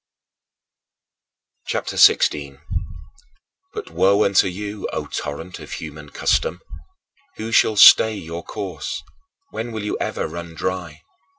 CHAPTER XVI 25. But woe unto you, O torrent of human custom! Who shall stay your course? When will you ever run dry?